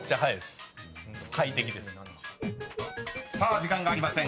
［さあ時間がありません。